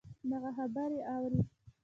دغـه خبـرې اورې